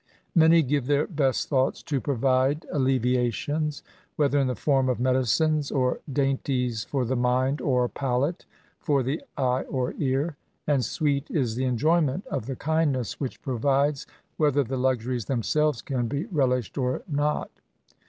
Many give their bpst thoughts to provide SYMPATHY TO THB INVALID. J8 alleyiatiozis — ^whether in the form of medicines, ot dainties for the mind or palate^ for the eye or ear ; and sweet is the enjoyment of the Hndnes? which provides^ whether the luxuries diemselves can be relished or not